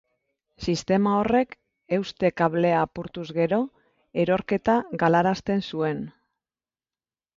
Sistema horrek euste-kablea apurtuz gero, erorketa galarazten zuen.